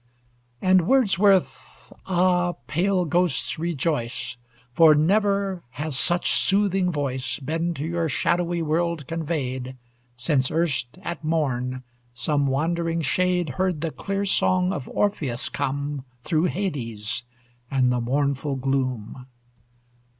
And Wordsworth! Ah, pale ghosts, rejoice! For never has such soothing voice Been to your shadowy world conveyed, Since erst, at morn, some wandering shade Heard the clear song of Orpheus come Through Hades, and the mournful gloom.